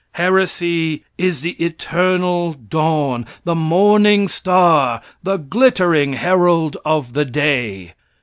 Heresy is the eternal dawn, the morning star, the glittering herald of the day.